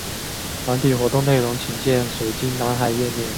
团体活动内容请见水晶男孩页面。